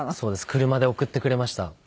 車で送ってくれました。